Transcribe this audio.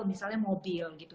misalnya mobil gitu